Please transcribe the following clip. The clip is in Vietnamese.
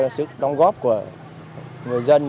sức đóng góp của người dân